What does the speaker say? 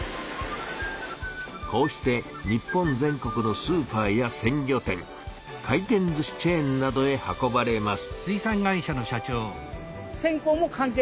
こうして日本全国のスーパーやせん魚店回転ずしチェーンなどへ運ばれます。